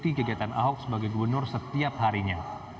sani juga membutuhkan kegiatan ahok sebagai gubernur setiap harinya